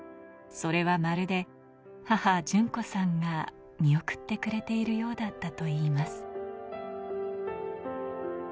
それはまるで母・順子さんが見送ってくれているようだったといいます。